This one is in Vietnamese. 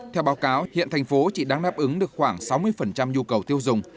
theo báo cáo hiện thành phố chỉ đang đáp ứng được khoảng sáu mươi nhu cầu tiêu dùng